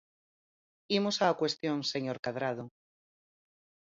Imos á cuestión, señor Cadrado.